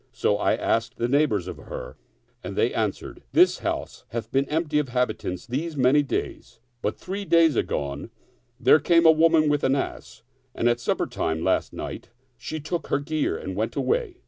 So I asked the neighbors of her and they answered, " This house hath been empty of habitants these many days; but three days agone there came a woman with an ass, and at supper time last night she took her gear and went away."